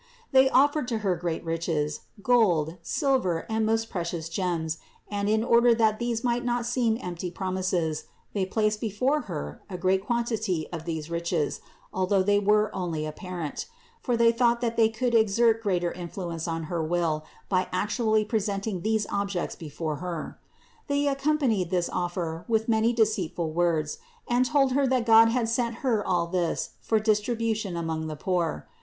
They offered to Her great riches, 276 CITY OF GOD gold, silver, and most precious gems and in order that these might not seem empty promises, thy placed before Her a great quantity of these riches, although they were only apparent; for they thought that they could exert greater influence on her will by actually presenting these objects before Her. They accompanied this offer with many deceitful words and told Her that God had sent Her all this for distribution among the poor.